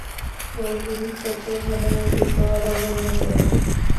ওর জিনিসপত্র ঘাঁটাঘাঁটি করা বন্ধ করো।